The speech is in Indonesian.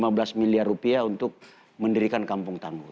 mabes polri ada merealokasi anggaran untuk mendukung kampung tangguh